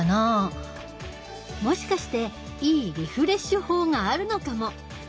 もしかしていいリフレッシュ法があるのかも！